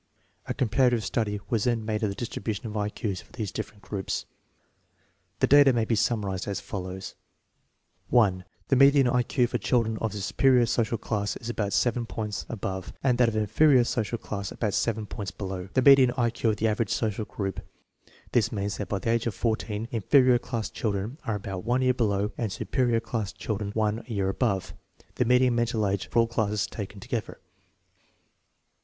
A comparative study was then made of the distribution of I Q's for these different groups. 1 The data may be summarized as follows: 1. The median I Q for children of the superior social class is about 7 points above, and that of the inferior social class about 7 points below, the median I Q of the average social group. This means that by the age of 14 inferior class children are about one year below, and superior class children one year above, the median mental age for all classes taken together.